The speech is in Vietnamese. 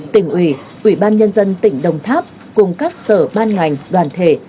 tỉnh ủy ủy ban nhân dân tỉnh đồng tháp cùng các sở ban ngành đoàn thể